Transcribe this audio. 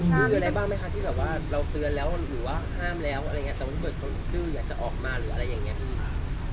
มีอะไรบ้างไหมคะที่แบบว่าเราเตือนแล้วหรือว่าห้ามแล้วอะไรอย่างเงี้ยสมมุติเขาอยากจะออกมาหรืออะไรอย่างเงี้ย